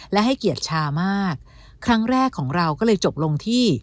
และให้เกียรติชามากครั้งแรกของเราก็เลยจบลงที่